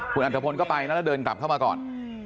คุณอัตภพลก็ไปนะแล้วเดินกลับเข้ามาก่อน